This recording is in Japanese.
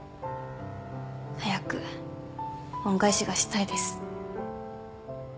早く恩返しがしたいです。